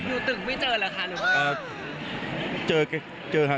อยู่ตึกไม่เจอเหรอค่ะหรือเปล่า